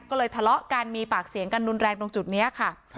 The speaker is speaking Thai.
ก็เลยทะเลาะกันมีปากเสียงกันรุนแรงตรงจุดนี้ค่ะ